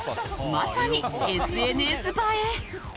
まさに、ＳＮＳ映え！